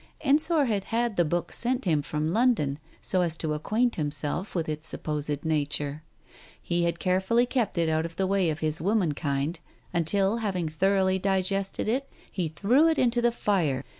Ensor had had the book sent him from London, so as to acquaint himself with its supposed nature. He had carefully kept it out of the way of his womenkind, until having thoroughly digested it, he threw it into the fire.